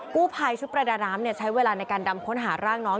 กู้ภัยชุดประดาน้ำใช้เวลาในการดำค้นหาร่างน้อง